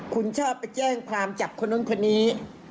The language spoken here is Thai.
คุณชอบไปแจ้งความจับคนนู้นคนนี้